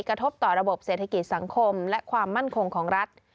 กระทบต่อระบบเศรษฐกิจสังคมและความมั่นคงของรัฐ